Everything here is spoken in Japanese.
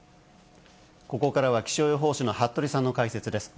ここからは気象予報士の服部さんの解説です。